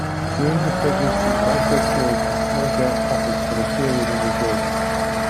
During the pregnancy, micro tears and small gas pockets can appear within the joint.